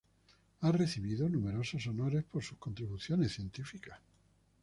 Ha recibido numerosos honores por sus contribuciones científicas.